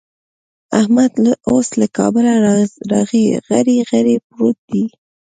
احمد اوس له کابله راغی؛ غړي غړي پروت دی.